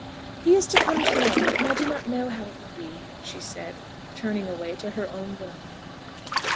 "He is to come to morrow, and I do not know how it will be," she said, turning away to her own room.